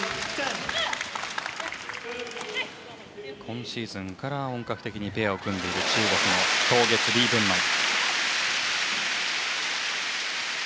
今シーズンから本格的にペアを組んでいる中国のト・ゲツ、リ・ブンマイ。